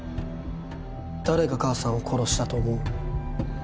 誰が母さんを殺したと思う？